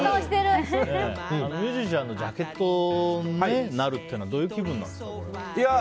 ミュージシャンのジャケットになるっていうのはどういう気分なんですか？